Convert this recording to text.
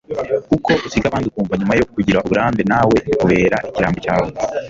uko usiga abandi ukumva nyuma yo kugira uburambe nawe bikubera ikirango cyawe